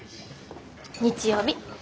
日曜日。